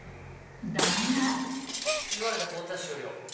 だが言われた工程は終了。